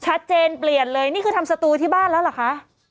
ชัดเจนเปลี่ยนเลยนี่คือทำสตูที่บ้านแล้วเหรอคะ